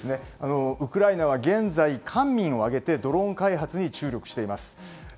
ウクライナは現在官民を挙げてドローン開発に注力しています。